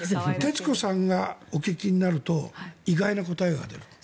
徹子さんがお聞きになると意外な答えが出る。